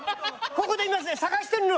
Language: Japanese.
ここで今ね探してるの。